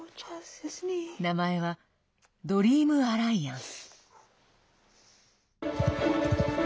名前はドリームアライアンス。